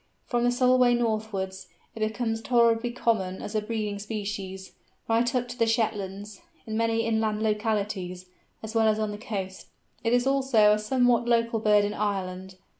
From the Solway northwards, it becomes tolerably common as a breeding species, right up to the Shetlands, in many inland localities, as well as on the coast. It is also a somewhat local bird in Ireland.